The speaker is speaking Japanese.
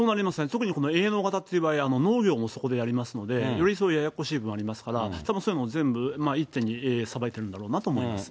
特にこの営農型って場合、農業もそこでやりますので、よりそういうややこしい部分ありますから、きっとそういうのを全部、一手にさばいてるんだろうなと思います。